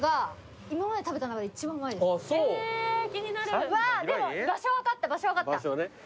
うわーでも場所分かった場所分かった。